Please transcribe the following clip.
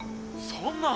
そんなぁ！